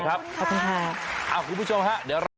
ขอบคุณครับ